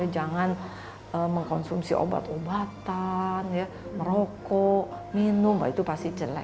jangan mengkonsumsi obat obatan merokok minum itu pasti jelek